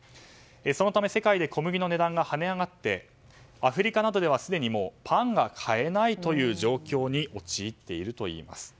そのため世界で小麦の値段がはね上がってアフリカなどではすでにパンが買えないという状況に陥っているといいます。